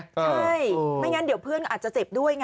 ใช่ไม่งั้นเดี๋ยวเพื่อนอาจจะเจ็บด้วยไง